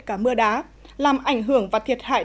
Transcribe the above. cả mưa đá làm ảnh hưởng và thiệt hại